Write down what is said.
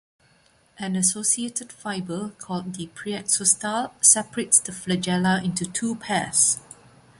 An associated fiber called the preaxostyle separates the flagella into two pairs.